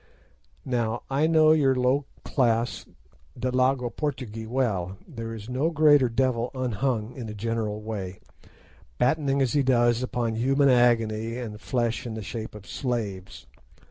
Now I know your low class Delagoa Portugee well. There is no greater devil unhung in a general way, battening as he does upon human agony and flesh in the shape of slaves.